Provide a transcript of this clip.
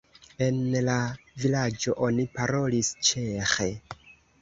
En la vilaĝo oni parolis ĉeĥe.